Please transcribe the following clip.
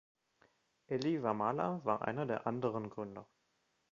Elly Wamala war einer der anderen Gründer.